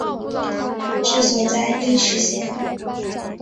治所在阴石县。